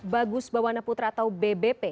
bagus bawana putra atau bbp